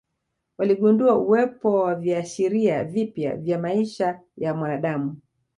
Waligundua uwepo wa viashiria vipya vya maisha ya mwanadamu